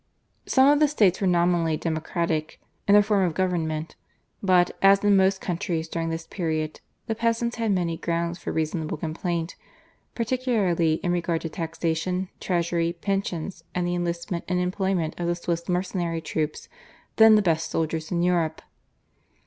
Some of the states were nominally democratic in their form of government, but, as in most countries during this period, the peasants had many grounds for reasonable complaint, particularly in regard to taxation, treasury pensions, and the enlisting and employment of the Swiss mercenary troops, then the best soldiers in Europe.